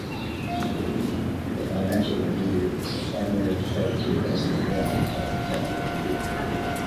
The "Financial Review" is informally referred to as the "Fin" or the "Fin Review".